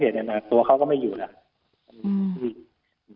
เหตุเนี่ยตัวเขาก็ไม่อยู่แล้ว